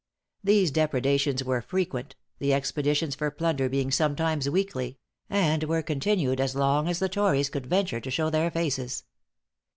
These depredations were frequent, the expeditions for plunder being sometimes weekly; and were continued as long as the tories could venture to show their faces.